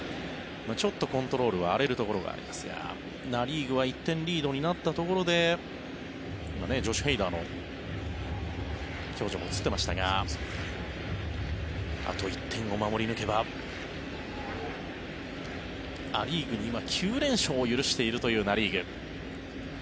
ちょっとコントロールは荒れるところがありますがナ・リーグは１点リードになったところでジョシュ・ヘイダーの表情も映っていましたがあと１点を守り抜けばア・リーグに今、９連勝を許しているというナ・リーグ。